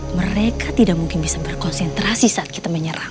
mereka tidak mungkin bisa berkonsentrasi saat kita menyerang